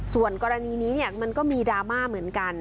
ส่วนกรณีนี้เนี่ยมันก็มีดาร์มาเหมือนกัน